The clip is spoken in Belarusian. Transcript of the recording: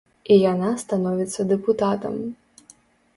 І яна становіцца дэпутатам.